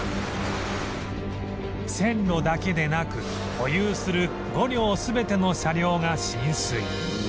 線路だけでなく保有する５両全ての車両が浸水